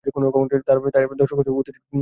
তবে এর ফলে দর্শকেরা উত্তেজিত হয়ে ওঠে।